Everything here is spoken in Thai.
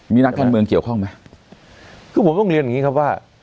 มีนักการเมืองเกี่ยวข้องไหมคือผมต้องเรียนอย่างงี้ครับว่า